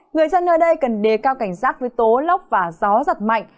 người dân ở đây cần đề cao cảnh sát với tố lóc và gió giật mạnh